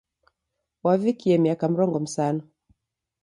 Wavikie miaka mrongo msanu.